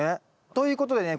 ということでね